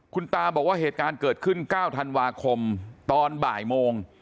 คุณตาบอกว่าเหตุการณ์เกิดขึ้น๙ธันวาคมตอนบ่ายโมง